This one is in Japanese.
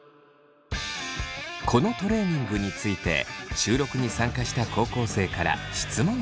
このトレーニングについて収録に参加した高校生から質問が。